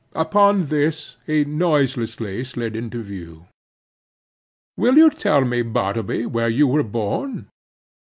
Upon this he noiselessly slid into view. "Will you tell me, Bartleby, where you were born?"